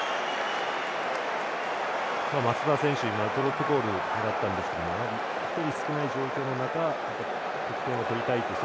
松田選手ドロップゴール狙ったんですけど１人少ない状況の中追加点、取りたいという